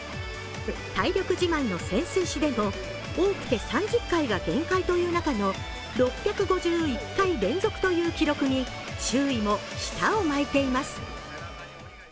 体力自慢の潜水士でも多くて３０回が限界という中の６５１回連続という記録に周囲も舌を巻いています。